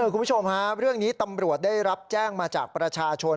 คุณผู้ชมฮะเรื่องนี้ตำรวจได้รับแจ้งมาจากประชาชน